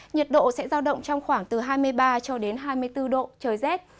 nhiệt độ sẽ giao động trong khoảng từ hai mươi ba cho đến hai mươi bốn độ trời rét